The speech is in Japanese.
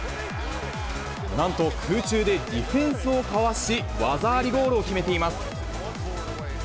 なんと空中でディフェンスをかわし、技ありゴールを決めています。